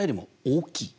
大きい。